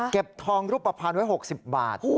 เก็บทองรูปภัณฑ์ไว้๖๐บาท